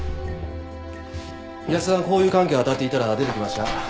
安田の交友関係を当たっていたら出てきました。